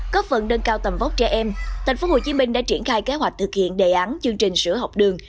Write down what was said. cấp phần đơn cao tầm vóc trẻ em thành phố hồ chí minh đã triển khai kế hoạch thực hiện đề án chương trình sửa học đường